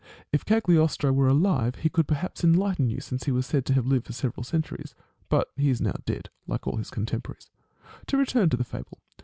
If Cagliostro were alive, he could perhaps enlighten you, since he was said to have lived for several centuries. But he is now dead, like his contemporaries. To return to the fable.